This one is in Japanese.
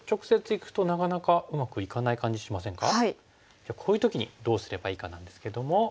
じゃあこういう時にどうすればいいかなんですけども。